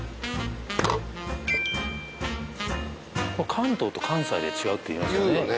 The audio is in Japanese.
関東と関西で違うっていいますよねいうよね